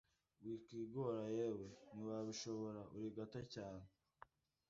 “Wikwigora yewe ntiwabishobora Uri gato cyane,